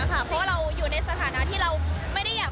เพราะว่าเราอยู่ในสถานะที่เราไม่ได้อยาก